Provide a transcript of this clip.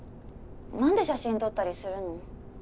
何で写真撮ったりするの？